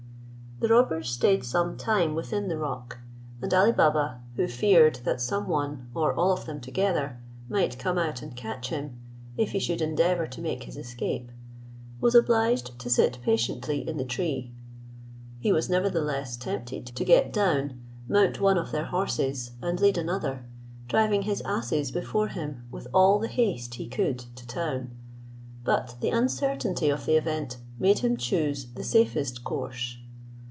The robbers stayed some time within the rock, and Ali Baba, who feared that some one, or all of them together, might come out and catch him, if he should endeavour to make his escape, was obliged to sit patiently in the tree. He was nevertheless tempted to get down, mount one of their horses, and lead another, driving his asses before him with all the haste he could to town; but the uncertainty of the event made him choose the safest course.